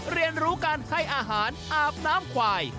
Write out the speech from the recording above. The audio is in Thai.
เรียนรู้การให้อาหารอาบน้ำควาย